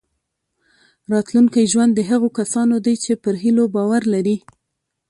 راتلونکی ژوند د هغو کسانو دی چې پر هیلو باور لري.